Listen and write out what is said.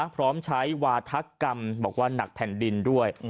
พร้อมใช้วาธกรรมบอกว่าหนักแผ่นดินด้วย